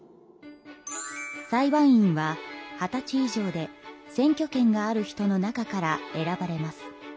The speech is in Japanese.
裁判員は二十歳以上で選挙権がある人の中から選ばれます。